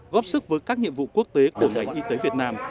góp sức với các nhiệm vụ quốc tế của ngành y tế việt nam